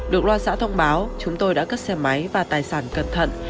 được loa xã thông báo chúng tôi đã cất xe máy và tài sản cẩn thận